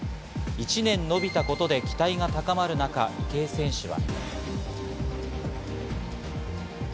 １年延びたことで期待が高まる中、池江選手は。